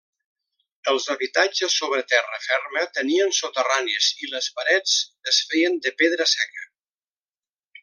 Els habitatges sobre terra ferma tenien soterranis i les parets es feien de pedra seca.